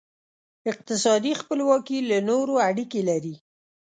اقتصادي خپلواکي له نورو اړیکې لري.